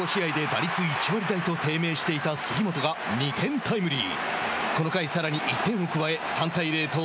ここ５試合で打率１割台と低迷していた杉本が２点タイムリー。